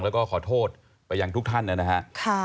แล้วก็ขอโทษไปยังทุกท่านนะฮะ